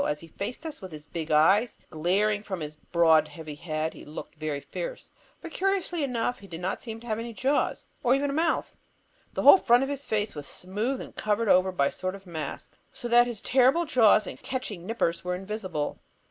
As he faced us with his big eyes glaring from his broad heavy head, he looked very fierce. But curiously enough, he didn't seem to have any jaws; nor even a mouth. The whole front of his face was smooth and covered over by a sort of mask, so that his terrible jaws and catching nippers were invisible.